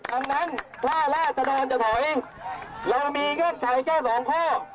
อันนั้นถ้าราศดรจะถอยเรามีเงื่อนไขแค่สองข้อ